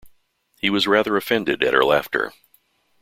He was rather offended at her laughter.